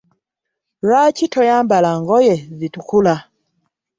Lwaki toyambala ngoye zitukula?